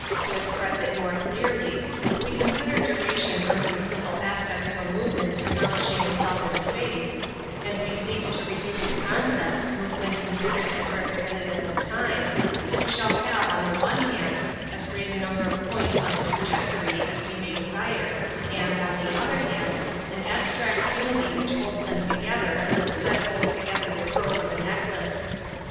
To express it more clearly — ^if we consider duration under the simple aspect of a move ment accomplishing itself in space, and we seek to reduce to concepts movement con sidered as representative of time, we shall have, on the one hand, as great a number of points on the trajectory as we may de sire, and, on the other hand, an abstract unity which holds them together as a thread holds together the pearls of a necklace.